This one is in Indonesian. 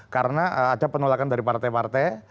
karena ada penolakan dari partai partai